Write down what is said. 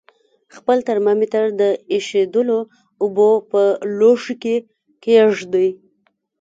خپل ترمامتر د ایشېدلو اوبو په لوښي کې کیږدئ.